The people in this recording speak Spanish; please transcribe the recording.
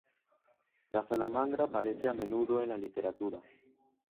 La salamandra aparece a menudo en la literatura.